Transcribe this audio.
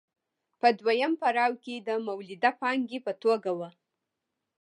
په دویم پړاو کې د مولده پانګې په توګه وه